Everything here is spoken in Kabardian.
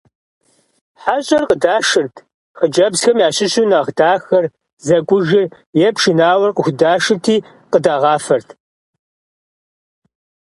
ХьэщӀэр къыдашырт. Хъыджбзхэм ящыщу нэхъ дахэр, зэкӀужыр е пшынауэр къыхудашырти, къыдагъафэрт.